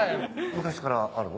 昔からあるの？